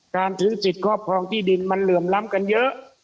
การถือสิทธิ์ครอบครองที่ดินมันเหลื่อมล้ำกันเยอะ